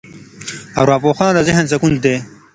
ارواپوهنه د ذهن سکون دی.